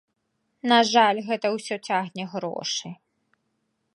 На жаль, гэта ўсё цягне грошы.